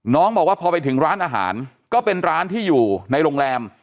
บอกว่าพอไปถึงร้านอาหารก็เป็นร้านที่อยู่ในโรงแรม